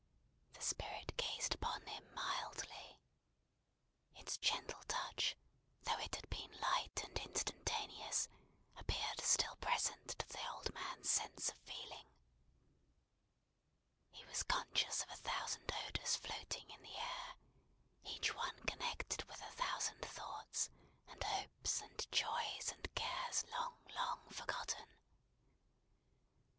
The Spirit gazed upon him mildly. Its gentle touch, though it had been light and instantaneous, appeared still present to the old man's sense of feeling. He was conscious of a thousand odours floating in the air, each one connected with a thousand thoughts, and hopes, and joys, and cares long, long, forgotten!